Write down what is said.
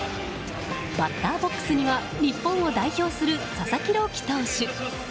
バッターボックスには日本を代表する佐々木朗希投手。